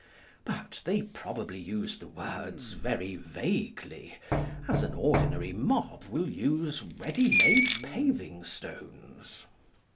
But they probably use the words very vaguely, as an ordinary mob will use ready made paving stones.